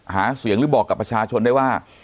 หาเสียงหรือบอกกับประชาชนได้ว่า